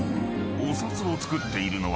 お札を造っているのは］